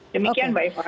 demikian mbak eva